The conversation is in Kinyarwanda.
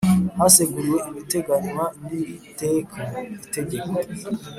Haseguriwe ibiteganywa n iri teka itegeko